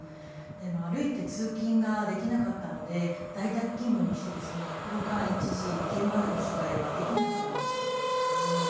歩いて通勤ができなかったので、在宅勤務にして、この間、一時、現場での取材はできなくなってしまってました。